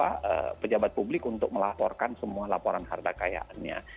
harus pejabat publik untuk melaporkan semua laporan harga kayaannya